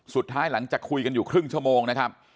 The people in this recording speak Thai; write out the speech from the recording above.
หลังจากคุยกันอยู่ครึ่งชั่วโมงนะครับ